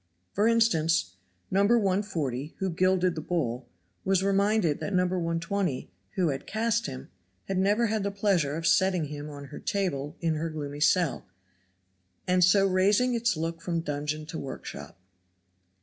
For instance, No. 140, who gilded the bull, was reminded that No. 120, who had cast him, had never had the pleasure of setting him on her table in her gloomy cell and so raising its look from dungeon to workshop.